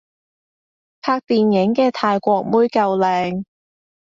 拍電影嘅泰國妹夠靚